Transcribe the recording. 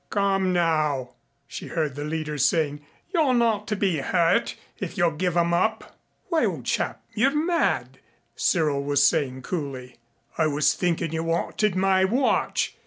"Come, now," she heard the leader saying, "you're not to be hurt if you'll give 'em up." "Why, old chap, you're mad," Cyril was saying coolly. "I was thinkin' you wanted my watch.